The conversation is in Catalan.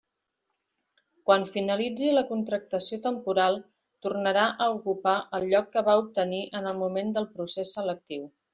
Quan finalitzi la contractació temporal, tornarà a ocupar el lloc que va obtenir en el moment del procés selectiu.